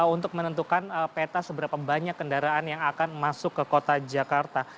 untuk menentukan peta seberapa banyak kendaraan yang akan masuk ke kota jakarta